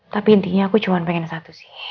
tapi intinya aku cuma pengen satu sih